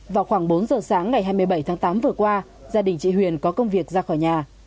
vào khoảng bốn giờ sáng ngày hai mươi bảy tháng tám vừa qua gia đình chị huyền có công việc ra khỏi nhà